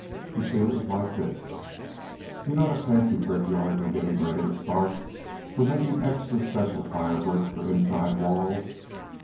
You see, it was like this: you know that fancy brickyard they're gettin' ready to start for makin' extra special fire brick for inside walls?